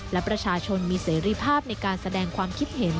และประชาชนมีเสรีภาพในการแสดงความคิดเห็น